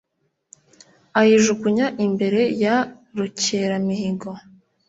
ayijugunya imbere ya rukeramihigo.